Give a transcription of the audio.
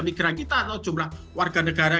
migran kita atau jumlah warga negara